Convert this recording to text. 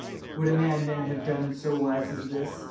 —would a madman have been so wise as this?